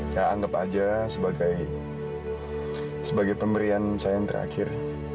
ya anggap aja sebagai pemberian sayang terakhir